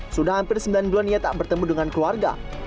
sudah hampir sembilan bulan ia tak bertemu dengan keluarga